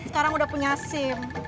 sekarang udah punya sim